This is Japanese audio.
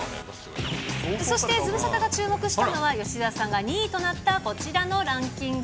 そして、ズムサタが注目したのは、吉沢さんが２位となったこちらのランキング。